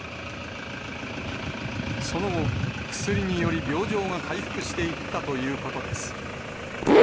その後、薬により病状が回復していったということです。